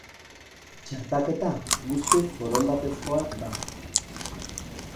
Txertaketa guztiz borondatezkoa da.